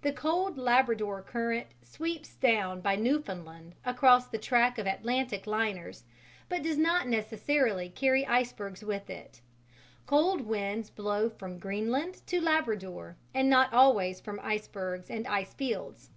The cold Labrador current sweeps down by Newfoundland across the track of Atlantic liners, but does not necessarily carry icebergs with it; cold winds blow from Greenland and Labrador and not always from icebergs and ice fields.